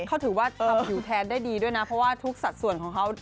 เขาถือว่าทำอยู่แทนได้ดีด้วยนะเพราะว่าทุกสัดส่วนของเขา